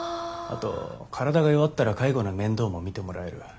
あと体が弱ったら介護の面倒も見てもらえる。